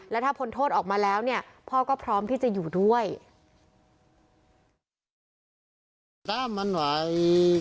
และถ้าพ้นโทษออกมาแล้วเนี่ยพ่อก็พร้อมที่จะอยู่ด้วย